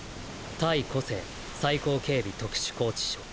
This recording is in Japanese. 対「個性」最高警備特殊拘置所